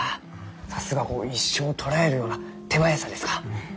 さすが一瞬を捉えるような手早さですか。